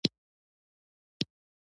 ملا وتړه او ورځه پرې